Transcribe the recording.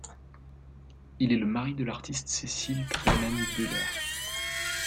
Il est le mari de l'artiste Cecil Tremayne Buller.